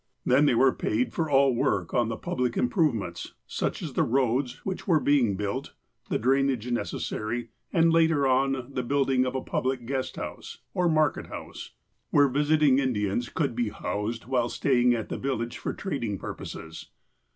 Then they were paid for all work on the public improvements, such as the roads which were being built, the drainage necessary, and, later on, the building of a public guest house, or market house, where 175 176 THE APOSTLE OF ALASKA visiting ludiaus could be housed while staying at the vil lage for trading purposes.